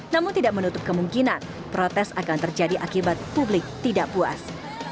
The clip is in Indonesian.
namun tidak menutup kemungkinan protes akan terjadi akibat publik tidak puas